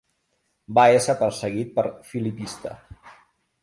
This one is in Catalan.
Va ésser perseguit per filipista.